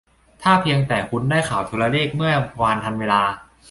ถ้าเพียงแต่คุณได้ข่าวโทรเลขเมื่อวานทันเวลา